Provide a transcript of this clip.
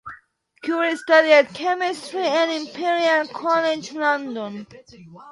Curry studied chemistry at Imperial College, London.